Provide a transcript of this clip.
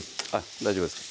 大丈夫ですか？